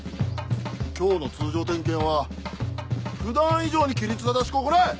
今日の通常点検は普段以上に規律正しく行え！